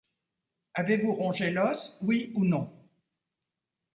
Avez-vous rongé l’os, oui ou non?